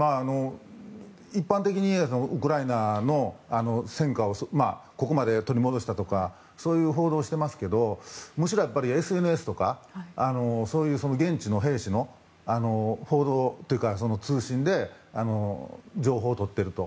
一般的にウクライナの戦果をここまで取り戻したとかそういう報道をしてますけどむしろＳＮＳとか現地の兵士の通信で情報をとっていると。